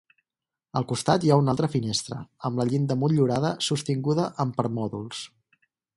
Al costat hi ha una altra finestra, amb la llinda motllurada sostinguda amb permòdols.